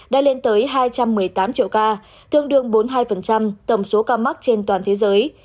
đã lên tới hai trăm một mươi tám triệu ca tương đương bốn mươi hai tổng số ca mắc trên toàn thế giới